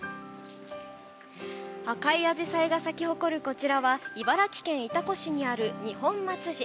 赤いアジサイが咲き誇るこちらは茨城県潮来市にある二本松寺。